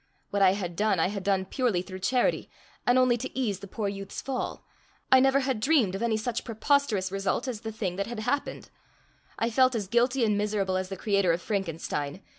What I had done I had done purely through charity, and only to ease the poor youth's fall&#8212I never had dreamed of any such preposterous result as the thing that had happened. I felt as guilty and miserable as the creator of Frankenstein.